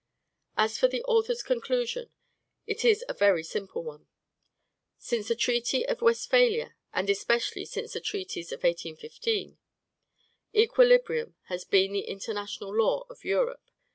As for the author's conclusion, it is a very simple one. Since the treaty of Westphalia, and especially since the treaties of 1815, equilibrium has been the international law of Europe.